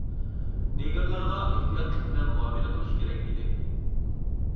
نېگىرلارغا ئېھتىياتلىق بىلەن مۇئامىلە قىلىش كېرەك ئىدى.